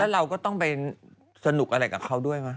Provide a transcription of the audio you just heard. เราก็ต้องไปสนุกอะไรกับเขาด้วยมั